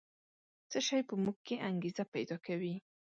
څه شی په موږ کې انګېزه پیدا کوي؟